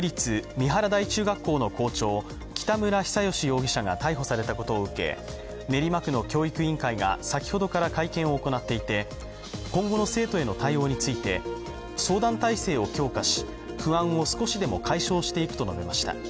三原台中学校の校長、北村比左嘉容疑者が逮捕されたことを受け、練馬区の教育委員会が先ほどから会見を行っていて今後の生徒への対応について相談体制を強化し不安を少しでも解消していくと述べました。